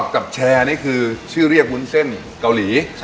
กับแชร์นี่คือชื่อเรียกวุ้นเส้นเกาหลี